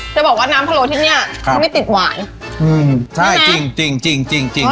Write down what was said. จะบอกว่าน้ำพะโล้ที่เนี้ยครับมันไม่ติดหวานอืมใช่จริงจริงจริงจริงจริง